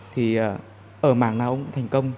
thì ở mảng nào ông cũng thành công